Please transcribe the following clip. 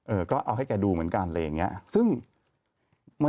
เออก็เอาให้แกดูเหมือนกันอะไรอย่างนี้